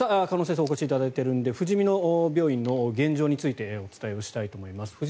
鹿野先生にお越しいただいているのでふじみの救急病院の現状についてお伝えしたいと思います。